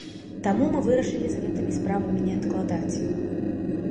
Таму мы вырашылі з гэтымі справамі не адкладаць.